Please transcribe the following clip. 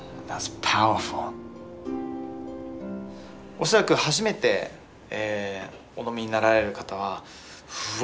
おそらく初めてお飲みになられる方はうわ